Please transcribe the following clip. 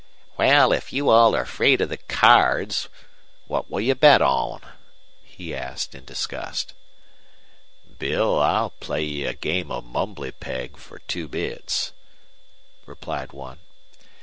"Wal, if you all are afraid of the cairds, what will you bet on?" he asked, in disgust. "Bill, I'll play you a game of mumbly peg fer two bits." replied one.